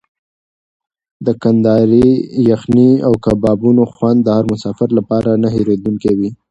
د کندهاري یخني او کبابونو خوند د هر مسافر لپاره نه هېرېدونکی وي.